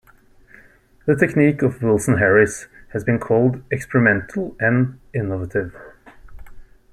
The technique of Wilson Harris has been called experimental and innovative.